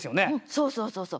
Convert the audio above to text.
そうそうそうそう。